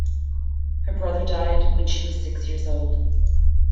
Her brother died when she was six years old.